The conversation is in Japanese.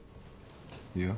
いや。